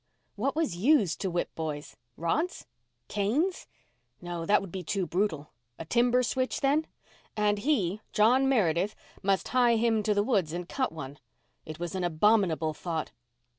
What was used to whip boys? Rods? Canes? No, that would be too brutal. A timber switch, then? And he, John Meredith, must hie him to the woods and cut one. It was an abominable thought.